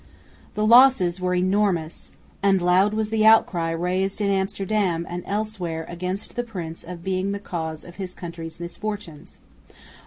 The losses were enormous, and loud was the outcry raised in Amsterdam and elsewhere against the prince of being the cause of his country's misfortunes.